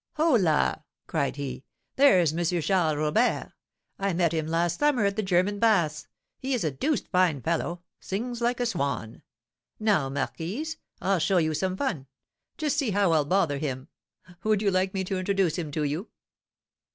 "Holla!" cried he, "there's M. Charles Robert. I met him last summer at the German baths; he is a deuced fine fellow, sings like a swan. Now, marquise, I'll show you some fun, just see how I'll bother him. Would you like me to introduce him to you?"